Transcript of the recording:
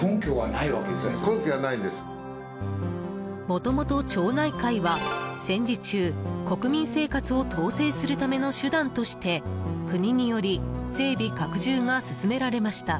もともと町内会は戦時中、国民生活を統制するための手段として国により整備拡充が進められました。